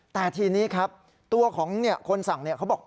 แต่ทีนี้ครับตัวของคนสั่งเขาบอก